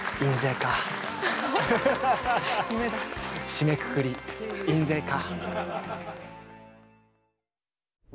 締めくくり「印税か」。